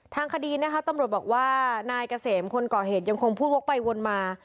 ทางคดีนะคะตำรวจบอกว่านายเกษมคนก่อเหตุยังคงพูดวกไปวนมา